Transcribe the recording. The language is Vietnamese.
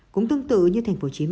cũng tương tự như tp hcm